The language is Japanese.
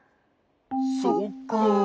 そっか。